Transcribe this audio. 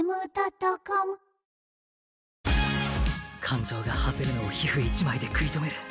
感情が爆ぜるのを皮膚一枚で食い止める。